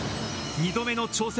２度目の挑戦。